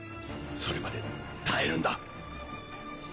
それまで耐えるんだ